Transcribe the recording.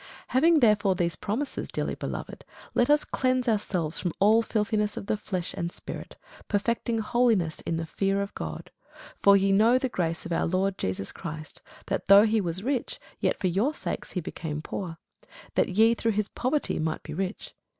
Having therefore these promises, dearly beloved, let us cleanse ourselves from all filthiness of the flesh and spirit, perfecting holiness in the fear of God. For ye know the grace of our Lord Jesus Christ, that, though he was rich, yet for your sakes he became poor, that ye through his poverty might be rich.